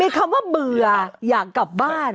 คำว่าเบื่ออยากกลับบ้าน